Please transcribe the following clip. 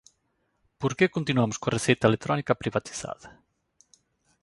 ¿Por que continuamos coa receita electrónica privatizada?